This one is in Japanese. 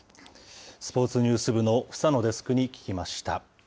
スポーツニュース部の房野デスクに聞きました。